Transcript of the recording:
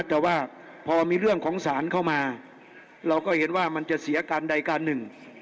แต่ว่าพอมีเรื่องของสารเข้ามาเราก็เห็นว่ามันจะเสียการใดการหนึ่ง